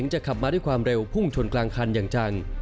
จะขับมาด้วยความเร็วพุ่งชนกลางคันอย่างจัง